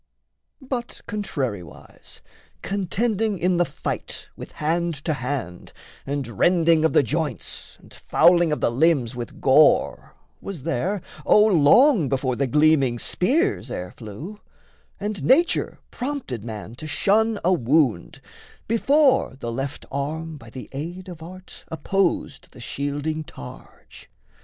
But contrariwise, contending in the fight With hand to hand, and rending of the joints, And fouling of the limbs with gore, was there, O long before the gleaming spears ere flew; And nature prompted man to shun a wound, Before the left arm by the aid of art Opposed the shielding targe.